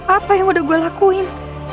apa yang udah gue lakuin